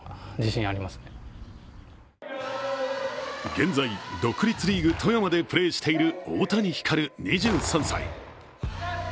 現在、独立リーグ富山でプレーしている大谷輝龍、２３歳。